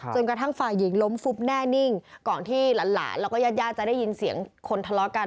กระทั่งฝ่ายหญิงล้มฟุบแน่นิ่งก่อนที่หลานแล้วก็ญาติญาติจะได้ยินเสียงคนทะเลาะกัน